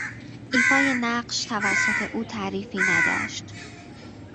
ایفای نقش توسط او تعریفی نداشت.